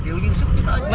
bông xuống giống rồi à